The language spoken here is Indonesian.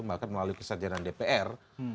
bahkan melalui kesajaran dpr